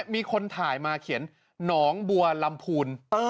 มีคนถ่ายมาเขียนหนองบัวลำพูน